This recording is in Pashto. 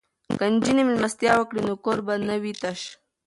که نجونې میلمستیا وکړي نو کور به نه وي تش.